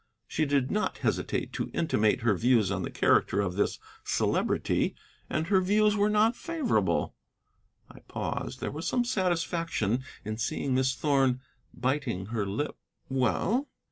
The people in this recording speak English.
She did not hesitate to intimate her views on the character of this Celebrity, and her views were not favorable." I paused. There was some satisfaction in seeing Miss Thorn biting her lip. "Well?"